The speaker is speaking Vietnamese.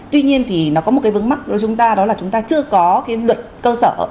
tuy nhiên thì nó có một cái vấn mắc của chúng ta đó là chúng ta chưa có cái luật cơ sở